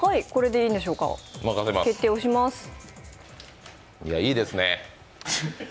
いいですね。